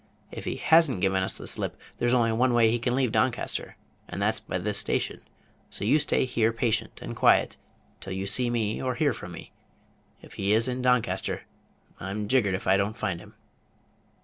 If he has n't given us the slip, there's only one way he can leave Doncaster, and that's by this station; so you stay here patient and quiet, till you see me, or hear from me. If he is in Doncaster, I'm jiggered if I don't find him."